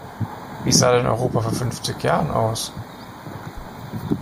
Wie sah denn Europa vor fünfzig Jahren aus?